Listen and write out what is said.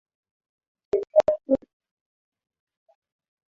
Mchezea zuri, baya humfika